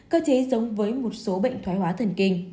cơ chế giống với một số bệnh thoái hóa thần kinh